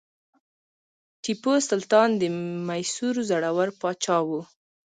ټیپو سلطان د میسور زړور پاچا و.